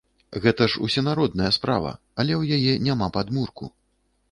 Гэта ж усенародная справа, але ў яе няма падмурку.